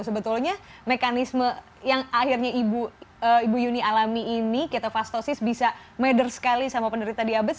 sebetulnya mekanisme yang akhirnya ibu yuni alami ini ketofastosis bisa meatder sekali sama penderita diabetes